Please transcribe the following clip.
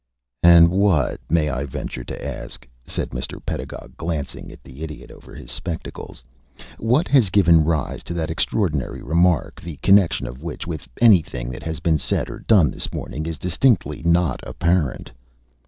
"And what, may I venture to ask," said Mr. Pedagog, glancing at the Idiot over his spectacles "what has given rise to that extraordinary remark, the connection of which with anything that has been said or done this morning is distinctly not apparent?"